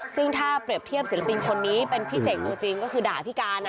ซึ่งถ้าเปรียบเทียบศิลปินคนนี้เป็นพิเศษตัวจริงก็คือด่าพี่การ